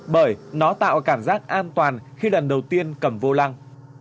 bởi nó tạo cảm giác an toàn khi lần đầu tiên cầm vô lăng